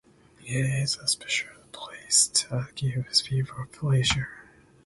It is a special place that gives people pleasure.